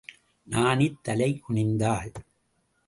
நாணித் தலை குனிந்தாள்.